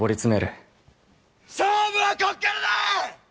勝負はこっからだ！